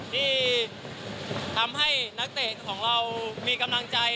ที่ทำให้นักเตะของเรามีกำลังใจ